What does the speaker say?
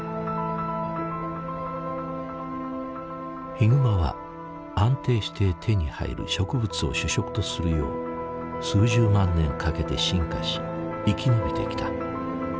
ヒグマは安定して手に入る植物を主食とするよう数十万年かけて進化し生き延びてきた。